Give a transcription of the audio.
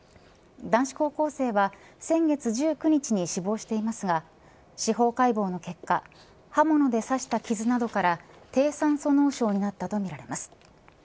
男子高校生は先月１９日に死亡していますが司法解剖の結果刃物で刺した傷などから低酸素脳症になったとみられます。